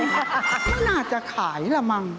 มันน่าจะขายล่ะมั้ง